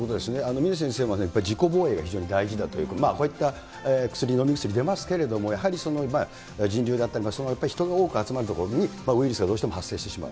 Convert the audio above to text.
峰先生もやっぱり自己防衛が非常に大事だと、こういった薬、飲み薬出ますけれども、やはり人流だったり、その人がやっぱり多く集まる所にウイルスがどうしても発生してしまう。